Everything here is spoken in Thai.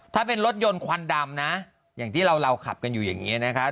ถ้าเป็นรถยนต์ควันดำนะอย่างที่เราขับกันอยู่อย่างนี้นะคะ